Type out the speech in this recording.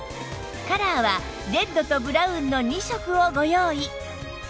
カラーはレッドとブラウンの２色をご用意